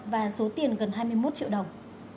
và số tiền gần hai mươi một triệu đồng